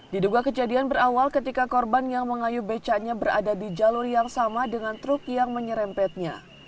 diduga kejadian berawal ketika korban yang mengayu becanya berada di jalur yang sama dengan truk yang menyerempetnya